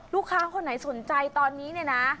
ลูกค้าคนไหนสนใจตอนนี้เนี่ยนะ